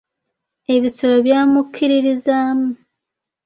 Ebisolo byamukkiririzaamu.